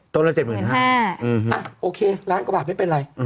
ต้นละ๗๕๐๐๐บาทอ่ะโอเคล้านกว่าไม่เป็นไร